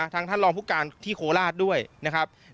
ท่านรองผู้การที่โคราชด้วยนะครับ